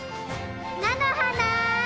なのはな！